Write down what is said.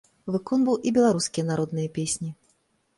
Выконваў і беларускія народныя песні.